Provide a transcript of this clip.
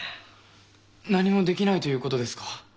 何もできないということですか？